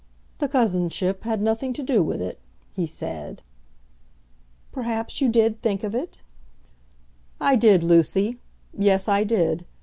"The cousinship had nothing to do with it," he said. "Perhaps you did think of it." "I did, Lucy. Yes, I did.